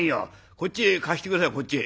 こっちへ貸して下さいこっちへ。